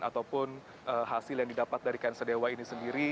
ataupun hasil yang didapat dari knsdw ini sendiri